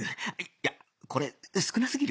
いやこれ少なすぎる